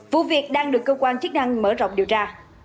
vụ việc đang được cơ quan chức năng mở rộng điều tra